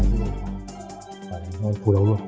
nói phủ đầu luôn